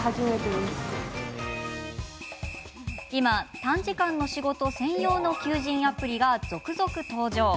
今、短時間の仕事専門の求人アプリが続々登場。